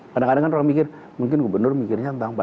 kadang kadang orang mikir mungkin gubernur mikir ini tidak stabil ya